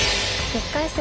１回戦